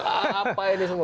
apa ini semua